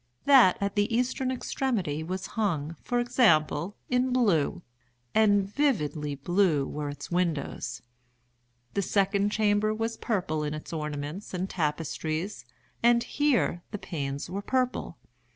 That at the eastern extremity was hung, for example, in blue—and vividly blue were its windows. The second chamber was purple in its ornaments and tapestries, and here the panes were purple.